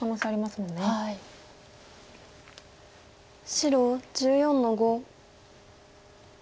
白１４の五。